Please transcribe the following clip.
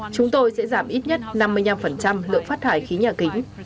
chúng tôi sẽ giảm ít nhất năm mươi năm lượng phát thải khí nhà kính